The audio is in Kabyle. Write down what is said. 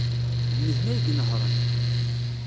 D nitni ay inehhṛen.